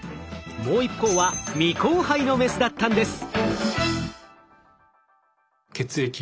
もう一方は未交配のメスだったんです。